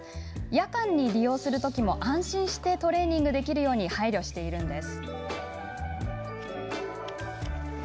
夜間に利用する時も安心してトレーニングできるように配慮しています。